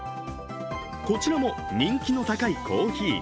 こちらも人気の高いコーヒー。